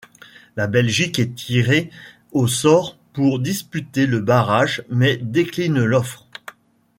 La Belgique est tirée au sort pour disputer le barrage mais décline l'offre.